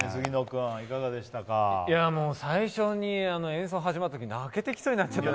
最初に演奏始まったとき、泣けてきそうになって。